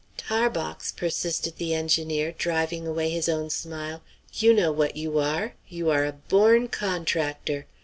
"Tarbox," persisted the engineer, driving away his own smile, "you know what you are; you are a born contractor!